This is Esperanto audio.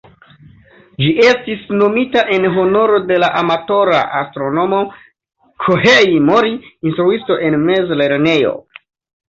Ĝi estis nomita en honoro de la amatora astronomo "Kohei Mori", instruisto en mezlernejo.